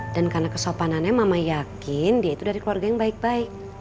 dan karena kesopanannya mama yakin dia tuh dari keluarga yang baik baik